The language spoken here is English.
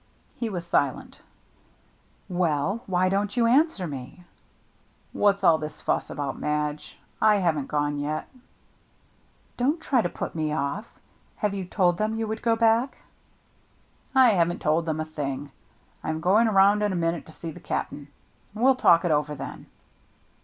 He was silent. " Well, why don't you answer me ?'* "What's all this fuss about, Madge? I haven't gone yet." " Don't try to put me ofF. Have you told them you would go back ?" "I haven't told 'em a thing. I'm going around in a minute to see the Cap'n, and we'll talk it over then."